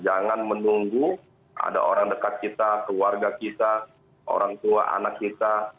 jangan menunggu ada orang dekat kita keluarga kita orang tua anak kita